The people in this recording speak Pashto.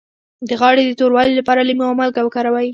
د غاړې د توروالي لپاره لیمو او مالګه وکاروئ